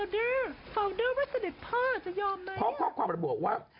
พ่อเดอร์พ่อเดอร์ว่าเสด็จพ่อจะยอมไหมนะครับพ้อข้อความประบวกว่า